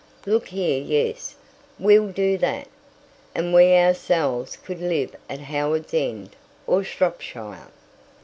Look here yes. We'll do that. And we ourselves could live at Howards End or Shropshire."